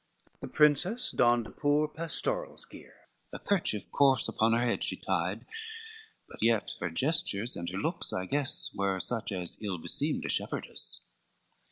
The princess donned a poor pastoral's gear, A kerchief coarse upon her head she tied; But yet her gestures and her looks, I guess, Were such as ill beseemed a shepherdess.